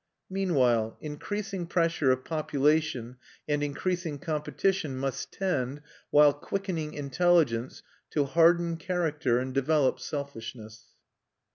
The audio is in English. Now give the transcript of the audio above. Meanwhile increasing pressure of population and increasing competition must tend, while quickening intelligence, to harden character and develop selfishness.